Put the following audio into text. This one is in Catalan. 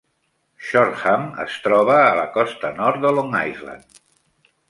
Shoreham es troba la costa nord de Long Island.